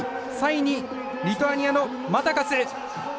３位にリトアニアのマタカス。